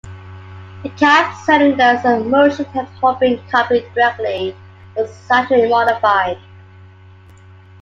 The cab, cylinders, and motion had all been copied directly or slightly modified.